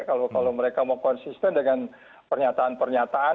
kalau mereka mau konsisten dengan pernyataan pernyataan